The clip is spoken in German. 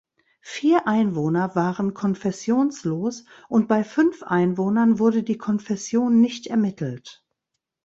Vier Einwohner waren konfessionslos und bei fünf Einwohnern wurde die Konfession nicht ermittelt.